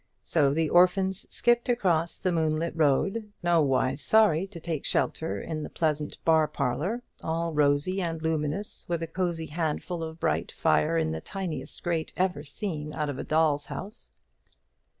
So the orphans skipped across the moonlit road, nowise sorry to take shelter in the pleasant bar parlour, all rosy and luminous with a cosy handful of bright fire in the tiniest grate ever seen out of a doll's house.